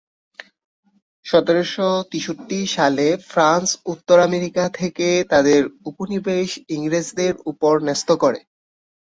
চন্দনাইশ ছিল পটিয়া উপজেলার একটি অংশ।